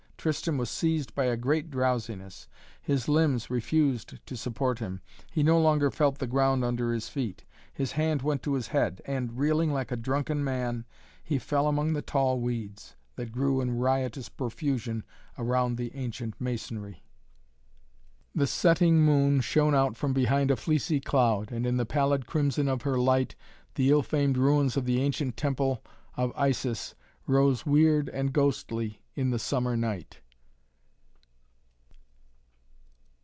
Tristan was seized by a great drowsiness. His limbs refused to support him. He no longer felt the ground under his feet. His hand went to his head and, reeling like a drunken man, he fell among the tall weeds that grew in riotous profusion around the ancient masonry. The setting moon shone out from behind a fleecy cloud, and in the pallid crimson of her light the ill famed ruins of the ancient temple of Isis rose weird and ghostly in the summer night.